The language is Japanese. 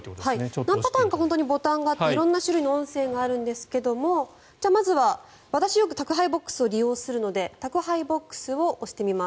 何パターンかボタンがあって色んな種類の音声があるんですがまずは、私がよく宅配ボックスを利用するので宅配ボックスを押してみます。